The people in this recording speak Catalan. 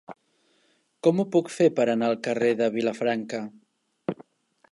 Com ho puc fer per anar al carrer de Vilafranca?